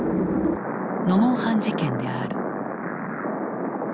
ノモンハン事件である。